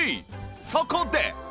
そこで！